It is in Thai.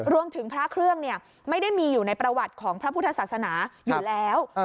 รวมถึงพระเครื่องไม่ได้มีอยู่ในประวัติของพระพุทธศาสนาอยู่แล้ว